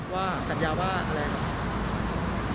ว่ากัญญาพ่ออะไรกัน